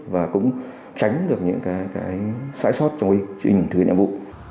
và cũng tránh được những cái xãi sót trong quá trình thực hiện nhiệm vụ